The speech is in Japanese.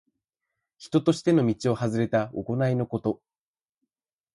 人としての道をはずれた行いのこと。